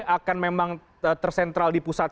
akan memang tersentral di pusat